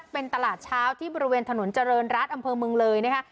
เป็นตลาดเช้าที่บริเวณถนนเจริญรัฐอำเภอเมืองเลยนะคะ